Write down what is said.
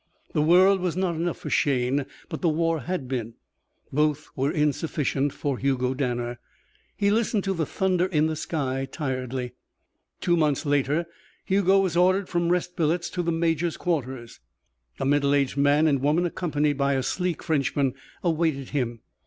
The world was not enough for Shayne, but the war had been. Both were insufficient for Hugo Danner. He listened to the thunder in the sky tiredly. Two months later Hugo was ordered from rest billets to the major's quarters. A middle aged man and woman accompanied by a sleek Frenchman awaited him.